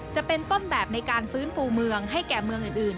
จะเป็นต้นแบบในการฟื้นฟูเมืองให้แก่เมืองอื่น